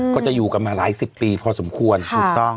ก็จะอยู่กันมาหลายสิบปีพอสมควรถูกต้อง